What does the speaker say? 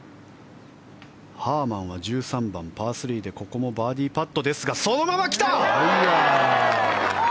ハーマンは１３番、パー３でここもバーディーパットですがそのまま来た！